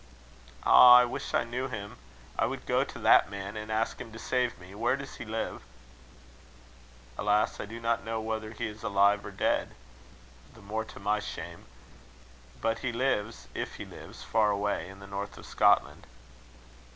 "Ah! I wish I knew him. I would go to that man, and ask him to save me. Where does he live?" "Alas! I do not know whether he is alive or dead the more to my shame. But he lives, if he lives, far away in the north of Scotland."